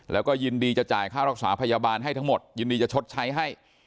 แล้วก็ยินดีจะจ่ายค่ารักษาพยาบาลให้ทั้งหมดยินดีจะชดใช้ให้